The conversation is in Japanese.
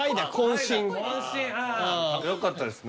心ああよかったですね